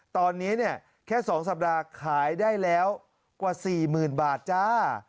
ตอนนี้เนี่ยแค่๒สัปดาห์ขายได้แล้วกว่า๔๐๐๐บาทจ้า